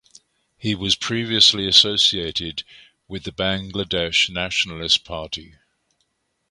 He was previously associated with the Bangladesh Nationalist Party.